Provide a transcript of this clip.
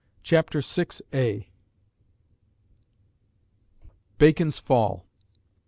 CHAPTER VI. BACON'S FALL.